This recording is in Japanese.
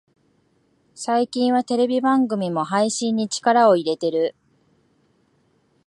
最近はテレビ番組も配信に力を入れてる